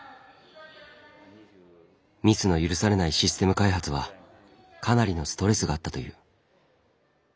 ミスの許されないシステム開発はかなりのストレスがあったという。